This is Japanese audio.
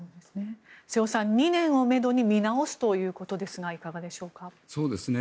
瀬尾さん、２年をめどに見直すということですがいかがでしょうか。